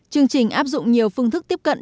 chương trình áp dụng nhiều phương thức tiếp cận